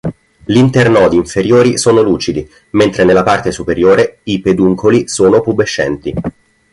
L’internodi inferiori sono lucidi, mente nella parte superiore i peduncoli sono pubescenti.